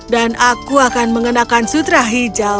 dan aku akan mengenakan sutra hijau